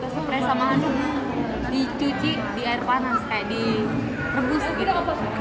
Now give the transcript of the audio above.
spray sama handuk dicuci di air panas kayak di rebus gitu